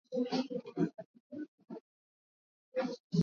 katika miaka ya elfu moja mia tisa sitini